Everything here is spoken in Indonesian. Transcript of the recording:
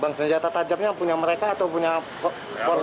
bang senjata tajamnya punya mereka atau punya